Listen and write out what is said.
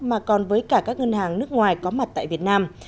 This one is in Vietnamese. mà còn với cả các ngân hàng nước ngoài có mặt tại việt nam